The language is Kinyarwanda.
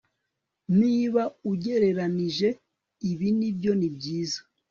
Niba ugereranije ibi nibyo nibyiza